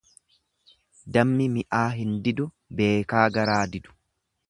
Dammi mi'aa hin didu beekaa garaa didu.